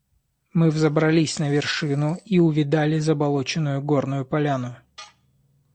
Мы взобрались на вершину и увидали заболоченную горную поляну.